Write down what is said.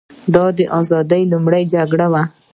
دا د ازادۍ لومړۍ جګړه وه.